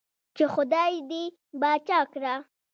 چې خدائے دې باچا کړه ـ